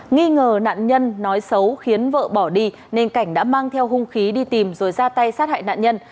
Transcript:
nghi ngờ nạn nhân nói xấu khiến vợ bỏ đi nên cảnh đã mang theo hung khí đi tìm rồi ra tay sát hại nạn nhân